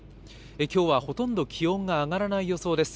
きょうはほとんど気温が上がらない予想です。